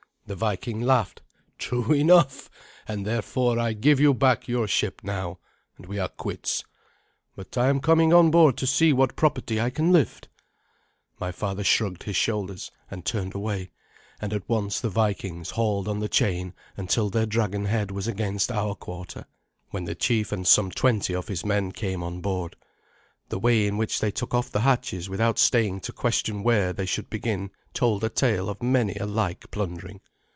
The Viking laughed. "True enough, and therefore I give you back your ship now, and we are quits. But I am coming on board to see what property I can lift." My father shrugged his shoulders, and turned away, and at once the Vikings hauled on the chain until their dragon head was against our quarter, when the chief and some twenty of his men came on board. The way in which they took off the hatches without staying to question where they should begin told a tale of many a like plundering.